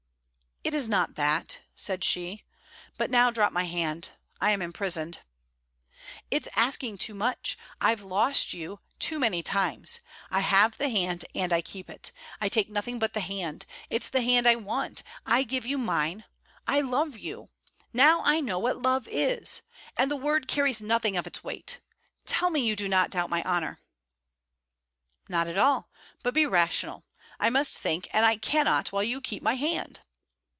'It is not that,' said she. 'But now drop my hand. I am imprisoned.' 'It's asking too much. I've lost you too many times. I have the hand and I keep it. I take nothing but the hand. It's the hand I want. I give you mine. I love you. Now I know what love is! and the word carries nothing of its weight. Tell me you do not doubt my honour.' 'Not at all. But be rational. I must think, and I cannot while you keep my hand.'